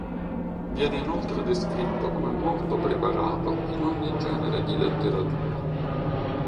Viene inoltre descritto come molto preparato "in ogni genere di letteratura".